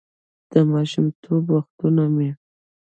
«د ماشومتوب وختونه مې: